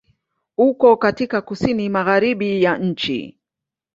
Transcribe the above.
Uko katika Kusini Magharibi ya nchi.